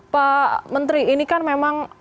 pak menteri ini kan memang